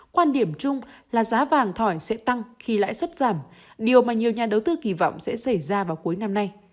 quan điểm chung là giá vàng thỏi sẽ tăng khi lãi suất giảm điều mà nhiều nhà đầu tư kỳ vọng sẽ xảy ra vào cuối năm nay